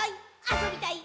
あそびたい！」